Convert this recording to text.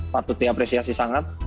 patut diapresiasi sangat